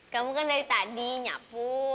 kamu kan dari tadi nyapu